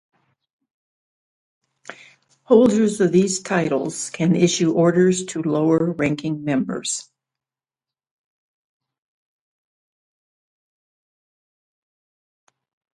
Holders of these titles can issue orders to lower ranking members.